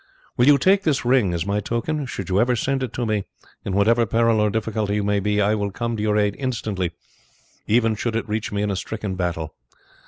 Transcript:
Will you take this ring as my token? Should you ever send it to me, in whatever peril or difficulty you may be, I will come to your aid instantly, even should it reach me in a stricken battle.